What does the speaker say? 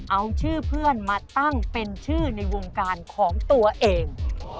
เอาชื่อเพื่อนมาตั้งเป็นชื่อในวงการของตัวเอง